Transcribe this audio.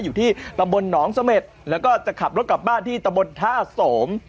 อยู่ที่ตำบลหนองเสม็ดแล้วก็จะขับรถกลับบ้านที่ตะบนท่าโสม